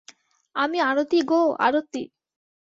আমি আরতি গো, আরতি।